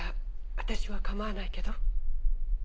私は構わないけど。